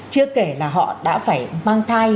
chưa kể là họ đã phải mang thai